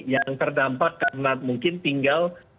yang terdampak karena mungkin tinggal